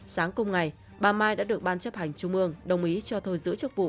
sáng cùng ngày bà mai đã được ban chấp hành trung ương đồng ý cho thôi giữ chức vụ